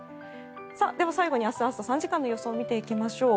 では、最後に明日朝３時間の予想を見ていきましょう。